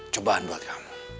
cobaan buat kamu